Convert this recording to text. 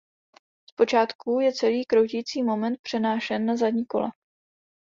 Zpočátku je celý kroutící moment přenášen na zadní kola.